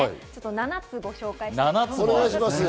７つご紹介します。